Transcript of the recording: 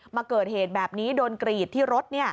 มาเกิดเหตุแบบนี้โดนกรีดที่รถ